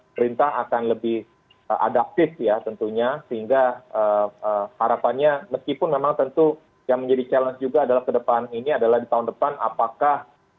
perintah akan lebih adaptif ya tentunya sehingga harapannya meskipun memang tentu yang menjadi challenge juga adalah ke depan ini adalah di tahun depan apakah